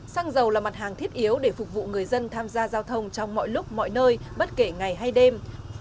xăng dầu là mặt hàng thiết yếu để phục vụ người dân tham gia giao thông trong mọi lúc mọi nơi bất kể ngày hay đêm